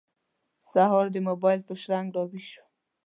سهار د موبایل په شرنګ راوېښ شوم.